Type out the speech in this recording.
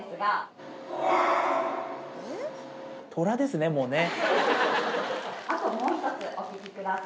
トラですねもうね。